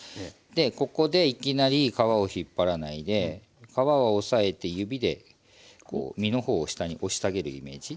でここでいきなり皮を引っ張らないで皮は押さえて指でこう身の方を下に押してあげるイメージ。